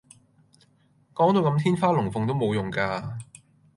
講到咁天花龍鳳都無用架